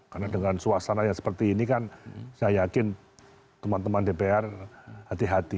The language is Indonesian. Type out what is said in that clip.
karena dengan suasana yang seperti ini kan saya yakin teman teman dpr hati hati